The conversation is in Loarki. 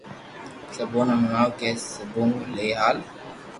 سبوني ھڻاوھ ڪي سبونو لئين ھال